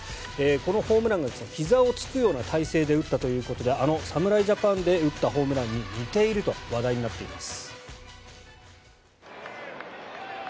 このホームランがひざを突くような体勢で打ったということであの侍ジャパンで打ったホームランに似ていると話題になっています。